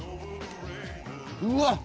うわっ！